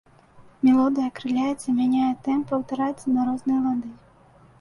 Мелодыя акрыляецца, мяняе тэмп, паўтараецца на розныя лады.